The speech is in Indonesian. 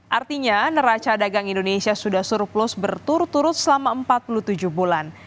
artinya neraca dagang indonesia sudah surplus berturut turut selama empat puluh tujuh bulan